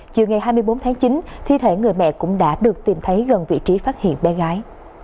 chiều ngày hai mươi bốn tháng chín thi thể người mẹ cũng đã được tìm thấy gần vị trí phát hiện bé gái